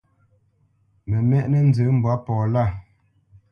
Mə mɛ́ʼnə̄ nzə mbwǎ pɔ lâ.